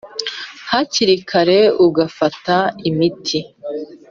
hakiri kare ugafata imiti